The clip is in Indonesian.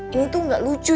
ini tuh gak lucu ya